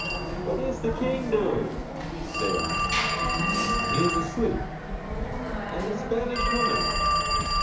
"What is the king doing?" they asked. "He is asleep." "And the Spanish woman?"